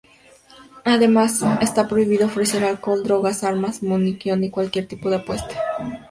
Además, está prohibido ofrecer alcohol, drogas, armas, munición, y cualquier tipo de apuesta.